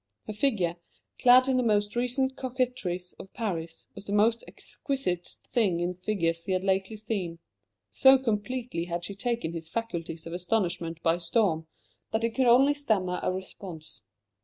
Her figure, clad in the most recent coquetries of Paris, was the most exquisite thing in figures he had lately seen. So completely had she taken his faculties of astonishment by storm, that he could only stammer a response.